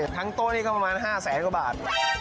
ทั้งโต้นี่ก็ประมาณ๕๐๐กว่าบาท